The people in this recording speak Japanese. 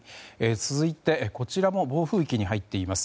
続いて、こちらも暴風域に入っています。